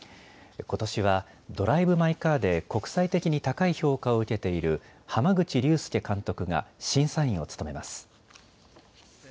ことしはドライブ・マイ・カーで国際的に高い評価を受けている濱口竜介監督が審査員を務めます。